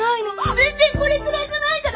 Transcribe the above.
全然これくらいじゃないから。